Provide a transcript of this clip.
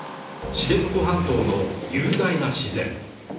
知床半島の雄大な自然。